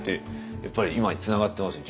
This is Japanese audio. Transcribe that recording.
やっぱり今につながってますよ